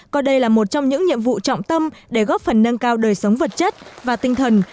coi đây là một trong những nhiệm vụ trọng tâm để góp phần nâng cao đời sống vật chất và tinh thần